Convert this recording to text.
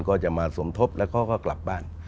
ก็จะมาสมทบแล้วเขาก็กลับบ้าน